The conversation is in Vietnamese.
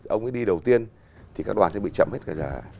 ông ấy đi đầu tiên thì các đoàn sẽ bị chậm hết cái giờ